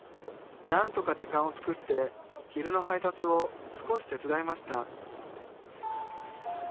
何とか時間を作って昼の配達を少し手伝いました